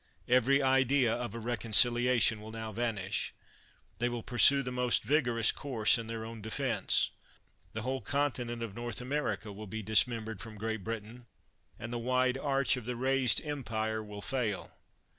Every idea of a reconcilia* tion will now vanish. They will pursue tb« most vigorous course in their own defense. Th i 245 THE WORLD'S FAMOUS ORATIONS whole continent of North America will be dis membered from Great Britain, and the wide arch of the raised empire will fall.